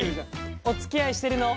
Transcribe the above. おつきあいしてるの？